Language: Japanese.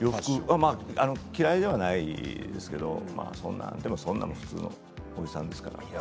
嫌いではないですけれどそんな普通のおじさんですから。